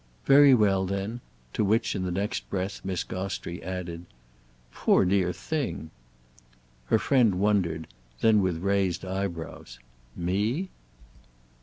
"Very well then." To which in the next breath Miss Gostrey added: "Poor dear thing!" Her friend wondered; then with raised eyebrows: "Me?"